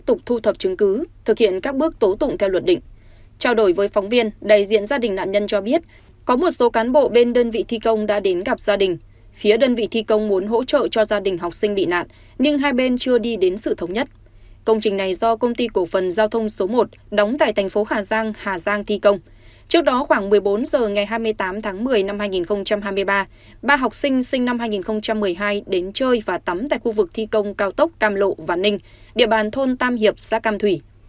trước đó khoảng một mươi bốn h ngày hai mươi tám tháng một mươi năm hai nghìn hai mươi ba ba học sinh sinh năm hai nghìn một mươi hai đến chơi và tắm tại khu vực thi công cao tốc cam lộ văn ninh địa bàn thôn tam hiệp xã cam thủy